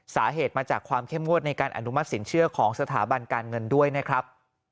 สาเหตุมาจากความเข้มงวดในการอนุมัติสินเชื่อของสถาบันการเงินด้วยนะครับ